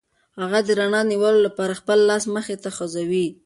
هغه د رڼا د نیولو لپاره خپل لاس مخې ته غځوي.